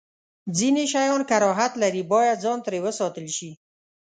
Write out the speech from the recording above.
ځینې شیان کراهت لري، باید ځان ترې وساتل شی.